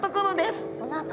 おなか。